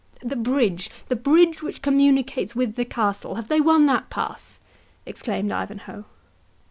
"The bridge—the bridge which communicates with the castle—have they won that pass?" exclaimed Ivanhoe.